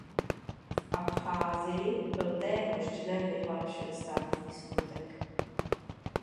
V Abcházii byl téhož dne vyhlášen státní smutek.